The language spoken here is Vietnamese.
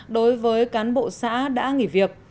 đối với cán bộ xã đã nghỉ việc